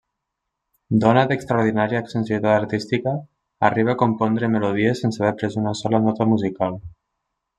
Dona d'extraordinària sensibilitat artística, arriba a compondre melodies sense haver après una sola nota musical.